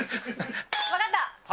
分かった！